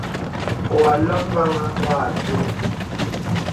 Wà àlôm màŋhàŋ wà ādio.